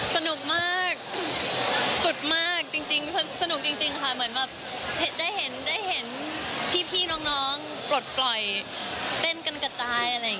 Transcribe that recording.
สนุกมากสุดมากจริงสนุกจริงค่ะเหมือนแบบได้เห็นได้เห็นพี่น้องปลดปล่อยเต้นกันกระจายอะไรอย่างนี้